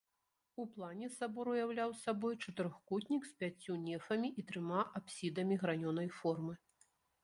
У плане сабор уяўляў сабой чатырохкутнік з пяццю нефамі і трыма апсідамі гранёнай формы.